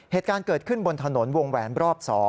เหตุการณ์เกิดขึ้นบนถนนวงแหวนรอบ๒